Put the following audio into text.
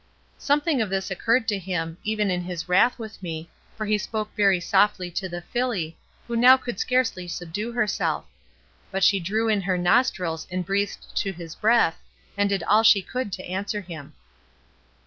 Something of this occurred to him, even in his wrath with me, for he spoke very softly to the filly, who now could scarcely subdue herself; but she drew in her nostrils, and breathed to his breath, and did all she could to answer him.